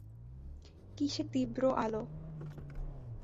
কী সে তীব্র আলো!